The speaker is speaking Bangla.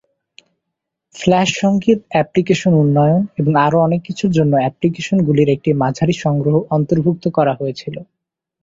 ফ্ল্যাশ সঙ্গীত, অ্যাপ্লিকেশন উন্নয়ন এবং আরও অনেক কিছুর জন্য অ্যাপ্লিকেশনগুলির একটি মাঝারি সংগ্রহ অন্তর্ভুক্ত করা হয়েছিল।